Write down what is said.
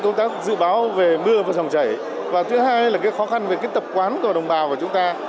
chúng ta dự báo về mưa và sông chảy và thứ hai là cái khó khăn về cái tập quán của đồng bào và chúng ta